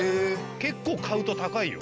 結構買うと高いよ。